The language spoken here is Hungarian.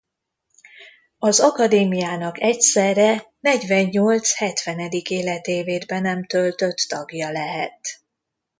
Az akadémiának egyszerre negyvennyolc hetvenedik életévét be nem töltött tagja lehet.